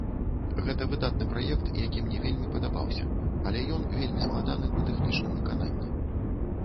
Гэта выдатны праект, які мне вельмі падабаўся, але ён вельмі складаны ў тэхнічным выкананні.